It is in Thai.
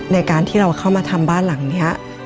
ในการที่เราเข้ามาทำบ้านหลังนี้